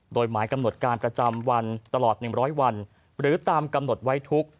โดยหมายกำหนดการประจำวันตลอด๑๐๐วันหรือตามกำหนดไว้ทุก